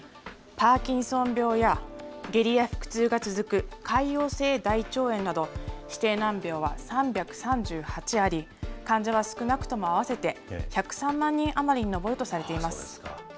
パーキンソン病や下痢や腹痛が続く潰瘍性大腸炎など、指定難病は３３８あり、患者は少なくとも、合わせて１０３万人余りに上るとされています。